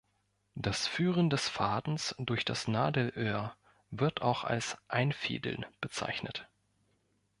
Das Führen des Fadens durch das Nadelöhr wird auch als "Einfädeln" bezeichnet.